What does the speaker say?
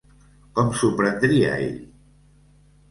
Com s'ho prendria ell?